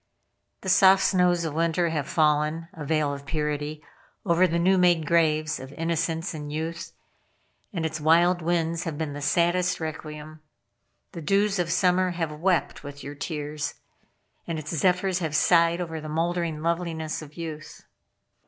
The soft snows of winter have fallen a veil of purity over the new made graves of innocence and youth, and its wild winds have been the saddest requiem. The dews of summer have wept with your tears, and its zephyrs have sighed over the mouldering loveliness of youth.